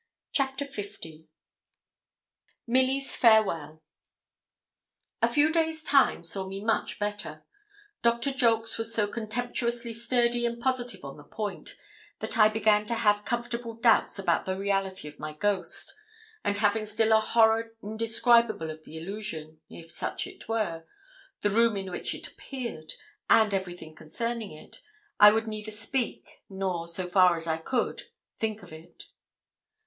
CHAPTER L MILLY'S FAREWELL A few days' time saw me much better. Doctor Jolks was so contemptuously sturdy and positive on the point, that I began to have comfortable doubts about the reality of my ghost; and having still a horror indescribable of the illusion, if such it were, the room in which it appeared, and everything concerning it, I would neither speak, nor, so far as I could, think of it.